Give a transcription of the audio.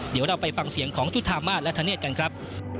เดี๋ยวเราไปฟังเสียงของจุธามาศและธเนธกันครับ